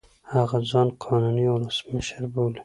هغه ځان قانوني اولسمشر بولي.